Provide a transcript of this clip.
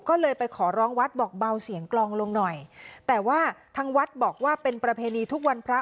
ก็เลยไปขอร้องวัดบอกเบาเสียงกลองลงหน่อยแต่ว่าทางวัดบอกว่าเป็นประเพณีทุกวันพระ